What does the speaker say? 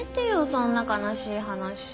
そんな悲しい話。